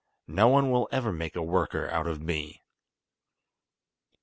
No one will ever make a worker out of me."